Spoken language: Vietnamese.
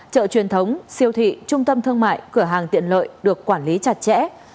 chợ truyền thống siêu thị trung tâm thương mại cửa hàng tiện lợi được quản lý chặt chẽ